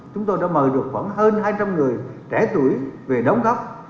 chúng tôi đã mời được khoảng hơn hai trăm linh người trẻ tuổi về đóng góp